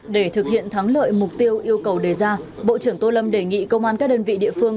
để thực hiện thắng lợi mục tiêu yêu cầu đề ra bộ trưởng tô lâm đề nghị công an các đơn vị địa phương